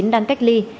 đang cách ly